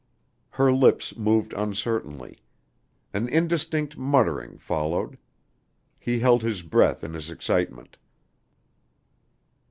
Her lips moved uncertainly; an indistinct muttering followed. He held his breath in his excitement.